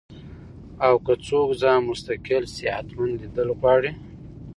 او کۀ څوک ځان مستقل صحتمند ليدل غواړي